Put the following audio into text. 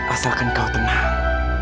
asalkan kau tenang